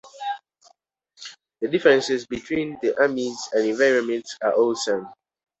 The differences between the armies and environments are awesome.